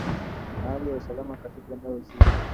na hali ya usalama katika eneo zima